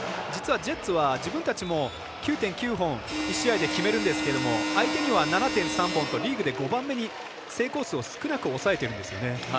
実はジェッツは自分たちも９．９本１試合で決めるんですけどリーグで５番目に成功数を少なく抑えてるんですよね。